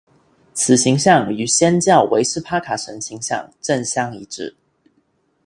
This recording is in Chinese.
此形象与祆教维施帕卡神形像正相一致。